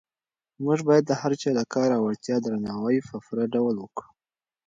موږ باید د هر چا د کار او وړتیا درناوی په پوره ډول وکړو.